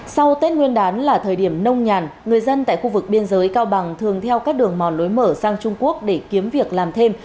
sau tết nguyên đán là thời điểm nông nhàn người dân tại khu vực biên giới cao bằng thường theo các đường mòn lối mở sang trung quốc để kiếm việc làm thêm